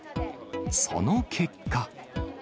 その結果。